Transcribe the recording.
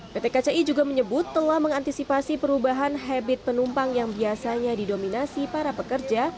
pt kci juga menyebut telah mengantisipasi perubahan habit penumpang yang biasanya didominasi para pekerja